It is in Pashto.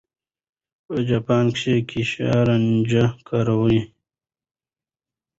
په جاپان کې ګېشا رانجه کاروي.